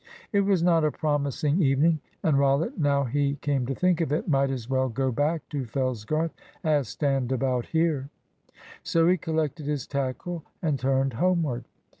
It was not a promising evening; and Rollitt, now he came to think of it, might as well go back to Fellsgarth as stand about here. So he collected his tackle and turned homeward.